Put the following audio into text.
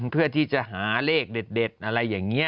เพื่อที่จะหาเลขเด็ดอะไรอย่างนี้